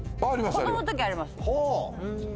子供の時あります。